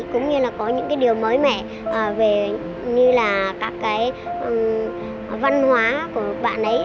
cũng như là có những cái điều mới mẻ về như là các cái văn hóa của bạn ấy